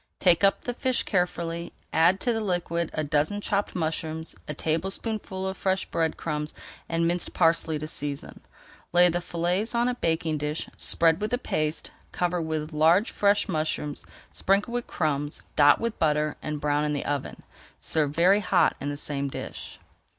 Take up the fish carefully, add to the liquid a dozen chopped mushrooms, a tablespoonful of fresh bread crumbs and minced parsley to season. Lay the fillets on a baking dish, spread with the paste, cover with large fresh mushrooms, sprinkle with crumbs, dot with butter, and brown in the oven. Serve very hot in the same dish.